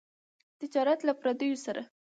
تجارت له پرديو سره.